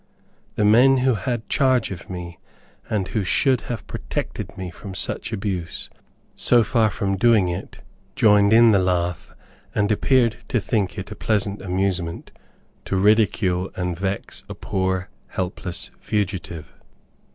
The men who had charge of me, and who should have protected me from such abuse, so far from doing it, joined in the laugh, and appeared to think it a pleasant amusement to ridicule and vex a poor helpless fugitive.